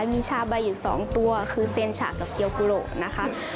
มีชาใบอยู่๒ตัวคือเซียนฉะกับเกียวกุโหลดนะคะ